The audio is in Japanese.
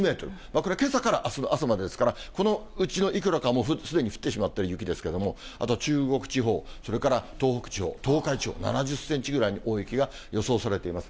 これ、けさからあすの朝までですから、このうちのいくらかはすでに降ってしまっている雪ですけれども、あと中国地方、それから東北地方、東海地方７０センチぐらいの大雪が予想されています。